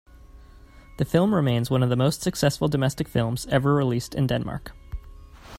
The film remains one of the most successful domestic films ever released in Denmark.